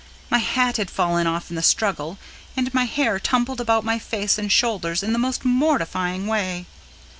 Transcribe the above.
My hat had fallen off in the struggle, and my hair tumbled about my face and shoulders in the most mortifying way.